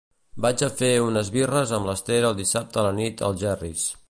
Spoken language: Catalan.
Vaig a fer unes birres amb l'Esther el dissabte a la nit al Jerry's.